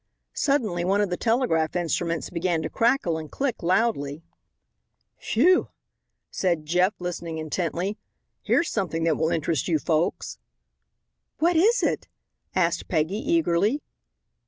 Suddenly, one of the telegraph instruments began to crackle and click loudly. "Phew!" said Jeff, listening intently; "here's something that will interest you folks." "What is it?" asked Peggy, eagerly.